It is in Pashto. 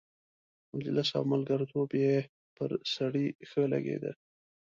مجلس او ملګرتوب یې پر سړي ښه لګېده.